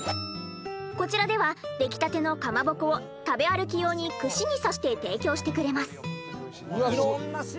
こちらでは出来たてのかまぼこを食べ歩き用に串に刺して提供してくれます。